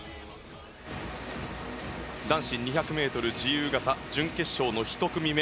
男子２００ｍ自由形準決勝の１組目。